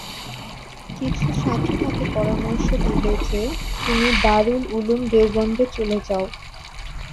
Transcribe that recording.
কিছু সাথী তাকে পরামর্শ দিল যে, তুমি দারুল উলুম দেওবন্দে চলে যাও।